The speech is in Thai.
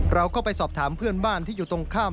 เราก็ไปสอบถามเพื่อนบ้านที่อยู่ตรงข้าม